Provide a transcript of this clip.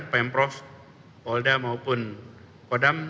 pemprov polda maupun kodam